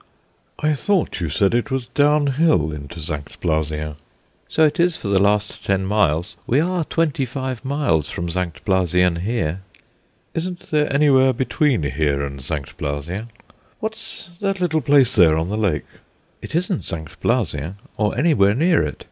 "I thought you said it was downhill into St. Blasien?" "So it is for the last ten miles. We are twenty five miles from St. Blasien here." "Isn't there anywhere between here and St. Blasien? What's that little place there on the lake?" "It isn't St. Blasien, or anywhere near it.